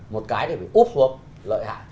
một cái phải úp xuống lợi hại